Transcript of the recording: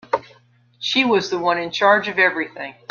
She was the one in charge of everything.